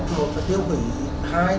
cung cấp tật liệu nổ cho mình